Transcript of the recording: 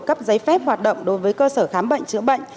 cấp giấy phép hoạt động đối với cơ sở khám bệnh chữa bệnh